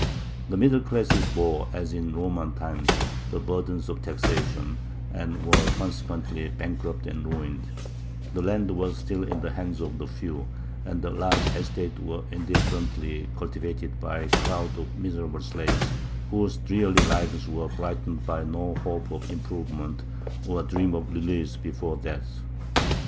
The middle classes bore, as in Roman times, the burden of taxation, and were consequently bankrupt and ruined: the land was still in the hands of the few, and the large estates were indifferently cultivated by crowds of miserable slaves, whose dreary lives were brightened by no hope of improvement or dream of release before death.